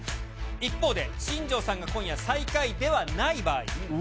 一方で、新庄さんが今夜、最下位ではない場合。